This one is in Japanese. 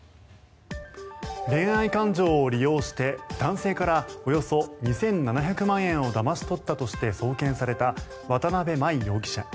恋愛感情を利用して男性からおよそ２７００万円をだまし取ったとして送検された渡邊真衣容疑者。